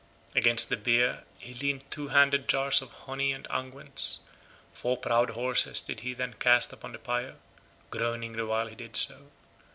Against the bier he leaned two handled jars of honey and unguents; four proud horses did he then cast upon the pyre, groaning the while he did so.